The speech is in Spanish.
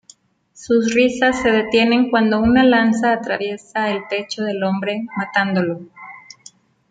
Sus risas se detienen cuando una lanza atraviesa el pecho del hombre, matándolo.